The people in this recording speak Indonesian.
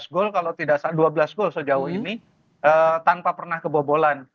dua belas gol sejauh ini tanpa pernah kebobolan